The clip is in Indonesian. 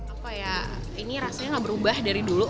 apa ya ini rasanya gak berubah dari dulu